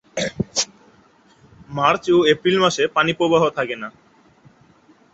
March ও April মাসে পানি প্রবাহ থাকে না।